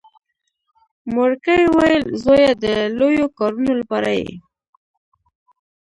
مورکۍ ویل زويه د لويو کارونو لپاره یې.